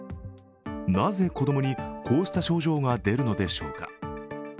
なぜ子供にこうした症状が出るのでしょうか。